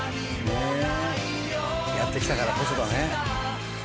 ねぇやって来たからこそだね。